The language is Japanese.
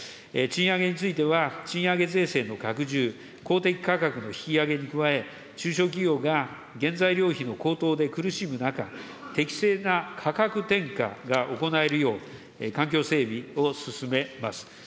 賃上げについては、賃上げ税制の拡充、公的価格の引き上げに加え、中小企業が原材料費の高騰で苦しむ中、適正な価格転嫁が行えるよう、環境整備を進めます。